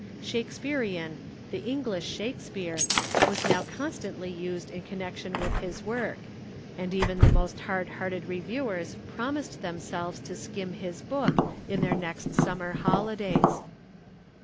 "Shakespearean," "The English Shakespeare," was now constantly used in connection with his work, and even the most hard worked reviewers promised themselves to skim his book in their next summer holidays.